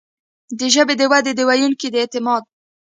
د ژبې د ودې، د ویونکو د اعتماد